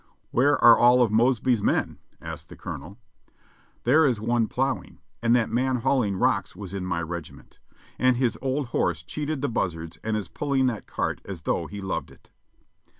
"Where are all of Mosby's men?" asked the Colonel. "There is one plowing, and that man hauling rocks was in my regiment, and his old horse cheated the buzzards and is pulling that cart as though he loved it."